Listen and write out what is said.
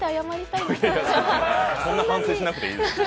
そんな反省しなくていいです。